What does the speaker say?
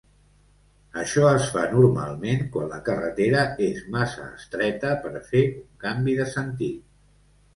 Això es fa normalment quan la carretera és massa estreta per fer un canvi de sentit.